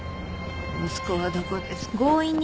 息子はどこですか？